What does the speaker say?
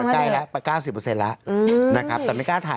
ใกล้แล้ว๙๐แล้วแต่ไม่กล้าถ่าย